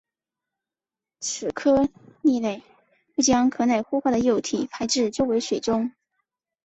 此科蜊类会将壳内孵化的幼体排至周围水中。